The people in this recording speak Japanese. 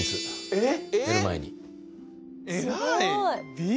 えっ！？